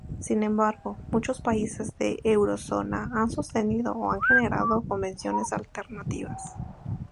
Sin embargo, muchos países de Eurozona han sostenido o han generado convenciones alternativas.